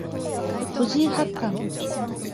藤井八冠